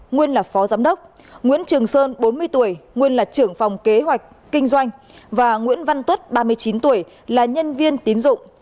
nguyễn trường sơn bốn mươi tuổi nguyên là trưởng phòng kế hoạch kinh doanh và nguyễn văn tuất ba mươi chín tuổi là nhân viên tín dụng